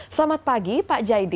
selamat pagi pak jaidi